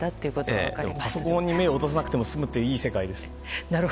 パソコンに目を落とさなくても済むっていい世界です。